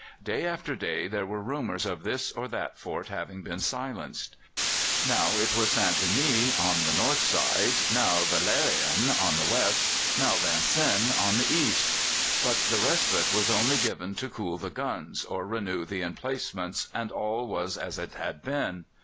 Day after day there were rumours of this or that fort having been silenced. Now it was St. Denis, on the north side; now Valérien, on the west; now Vincennes, on the east; but the respite was only given to cool the guns or renew the emplacements, and all was as it had been.